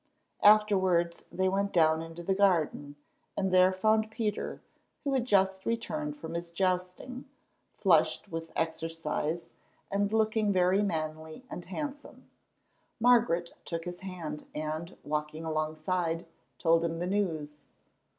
Afterwards they went down into the garden, and there found Peter, who had just returned from his jousting, flushed with exercise, and looking very manly and handsome. Margaret took his hand and, walking aside, told him the news.